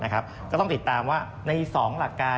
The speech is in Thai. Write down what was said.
ก็ต้องติดตามว่าใน๒หลักการ